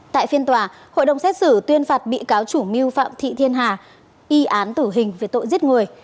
tại phiên tòa hội đồng xét xử tuyên phạt bị cáo chủ mưu phạm thị thiên hà y án tử hình về tội giết người